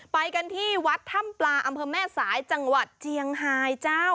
ไปกันที่วัดถ้ำปลาอำเภอแม่สายจังหวัดเจียงไฮเจ้า